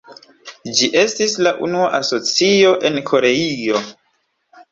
Ĝi estis la unua Asocio en Koreio.